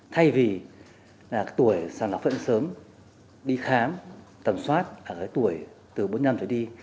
thay vì tuổi sàng lọc phận sớm đi khám tầm soát ở tuổi từ bốn mươi năm trở đi